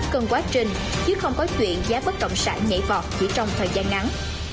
cần quá trình chứ không có chuyện giá bất động sản nhảy vọt chỉ trong thời gian ngắn